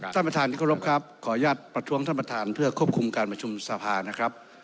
ท่านประธานที่เคารพครับขออนุญาตประท้วงท่านประธานเพื่อควบคุมการประชุมสภานะครับ